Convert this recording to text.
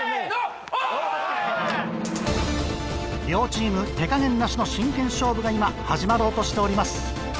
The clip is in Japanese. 両チーム手加減なしの真剣勝負が今始まろうとしております。